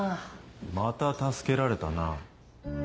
また助けられたな。